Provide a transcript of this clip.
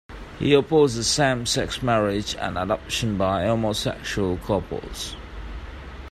He opposes same-sex marriage and adoption by homosexual couples.